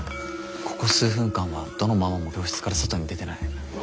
ここ数分間はどのママも教室から外に出てない。